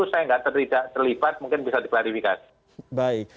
saya tidak terlibat mungkin bisa diklarifikasi